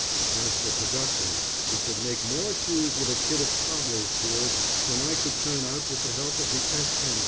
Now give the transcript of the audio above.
As for production, he could make more shoes with a kit of cobbler's tools, than I could turn out with the help of the S. M.